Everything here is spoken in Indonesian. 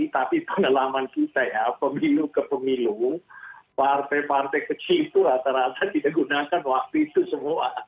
tapi pengalaman kita ya pemilu ke pemilu partai partai kecil itu rata rata tidak gunakan waktu itu semua